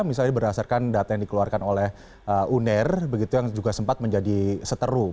misalnya berdasarkan data yang dikeluarkan oleh uner begitu yang juga sempat menjadi seteru